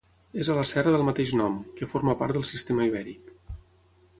És a la serra del mateix nom, que forma part del Sistema Ibèric.